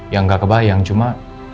ya nggak kebayang cuma